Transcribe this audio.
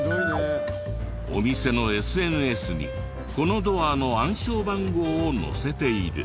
お店のＳＮＳにこのドアの暗証番号を載せている。